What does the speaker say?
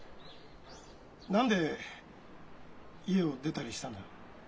何で家を出たりしたんだ？